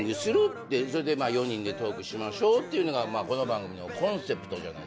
それで４人でトークしましょうというのがこの番組のコンセプトじゃないですか。